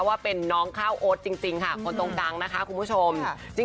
ว่าเป็นน้องข้าวโอ๊ตจริงค่ะคนตรงกลางนะคะคุณผู้ชม